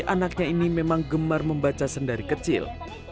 anaknya ini memang gemar membaca sendari kecil